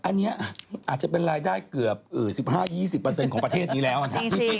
อันนี้อาจจะเป็นรายได้เกือบ๑๕๒๐ของประเทศนี้แล้วนะครับ